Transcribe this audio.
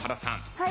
はい。